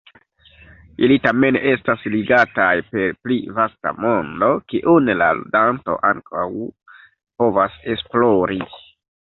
Ili tamen estas ligataj per pli vasta mondo, kiun la ludanto ankaŭ povas esplori.